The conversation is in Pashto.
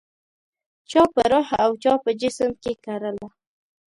چا په روح او چا په جسم کې کرله